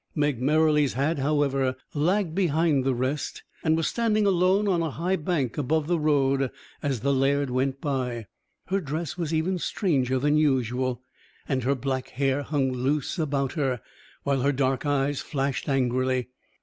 Meg Merrilies had, however, lagged behind the rest, and was standing alone on a high bank above the road as the laird went by. Her dress was even stranger than usual, and her black hair hung loose about her, while her dark eyes flashed angrily.